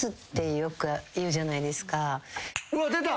うわ出た！